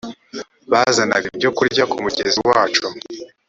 bazanaga ibyokurya ku mugezi wacu